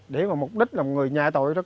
để mục đích là một người nhạy tội